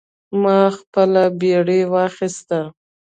ما خپله بیړۍ واخیسته.